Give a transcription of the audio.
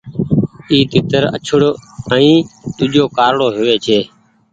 اي تيتر آڇڙو ائين ۮوجھو ڪارڙو هووي ڇي۔